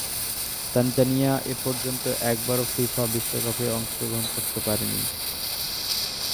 Tanzania এপর্যন্ত একবারও FIFA বিশ্বকাপে অংশগ্রহণ করতে পারেনি।